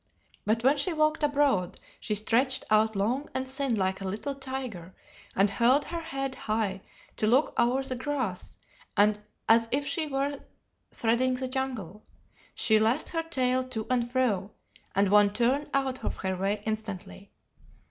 But when she walked abroad she stretched out long and thin like a little tiger, and held her head high to look over the grass as if she were threading the jungle. She lashed her tail to and fro, and one turned out of her way instantly.